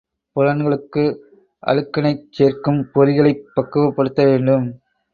புலன்களுக்கு அழுக்கினைச் சேர்க்கும் பொறிகளைப் பக்குவப்படுத்த வேண்டும்.